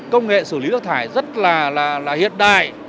công nghệ xử lý nước thải rất là hiện đại